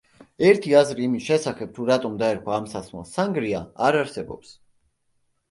ერთი აზრი იმის შესახებ, თუ რატომ დაერქვა ამ სასმელს „სანგრია“ არ არსებობს.